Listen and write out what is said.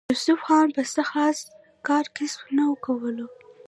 يوسف خان به څۀ خاص کار کسب نۀ کولو